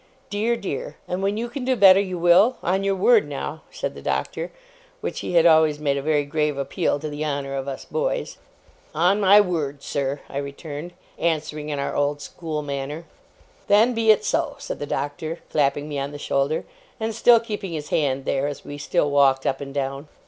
Dear, dear! And when you can do better, you will? On your word, now?' said the Doctor, which he had always made a very grave appeal to the honour of us boys. 'On my word, sir!' I returned, answering in our old school manner. 'Then be it so,' said the Doctor, clapping me on the shoulder, and still keeping his hand there, as we still walked up and down.